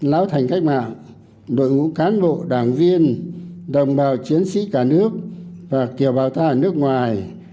lão thành cách mạng đội ngũ cán bộ đảng viên đồng bào chiến sĩ cả nước và kiều bào ta ở nước ngoài